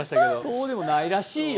そうでもないらしいよ